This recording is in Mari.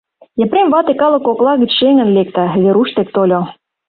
Епрем вате калык кокла гыч шеҥын лекте, Веруш дек тольо: